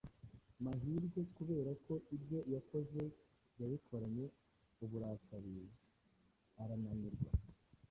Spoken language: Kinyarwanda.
mahirwe kubera ko ibyo yakoze yabikoranye uburakari akananirwa.